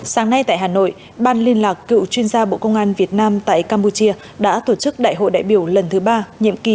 sáng nay tại hà nội ban liên lạc cựu chuyên gia bộ công an việt nam tại campuchia đã tổ chức đại hội đại biểu lần thứ ba nhiệm kỳ hai nghìn hai mươi hai nghìn hai mươi